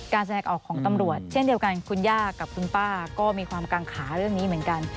แสดงออกของตำรวจเช่นเดียวกันคุณย่ากับคุณป้าก็มีความกังขาเรื่องนี้เหมือนกัน